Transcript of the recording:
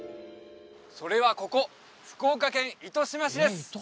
それはここ福岡県糸島市です